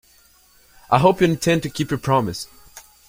I hope you intend to keep your promise.